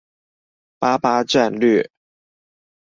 八八戰略